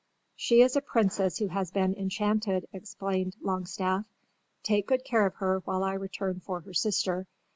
"She is a princess who has been enchanted," explained Longstaff. "Take good care of her while I return for her sister.